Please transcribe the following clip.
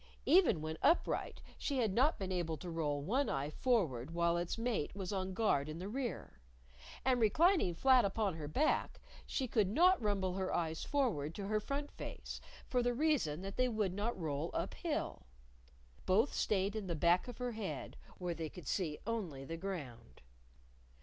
Even when upright she had not been able to roll one eye forward while its mate was on guard in the rear. And reclining flat upon her back, she could not rumble her eyes forward to her front face for the reason that they would not roll up hill. Both stayed in the back of her head, where they could see only the ground.